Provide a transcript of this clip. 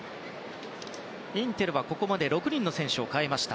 インテルはここまで６人の選手を代えました。